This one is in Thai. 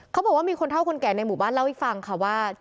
เขาบอกว่ามีคนเท่าคนแก่ในหมู่บ้านเล่าให้ฟังค่ะว่า